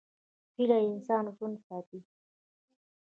هیله انسان ژوندی ساتي.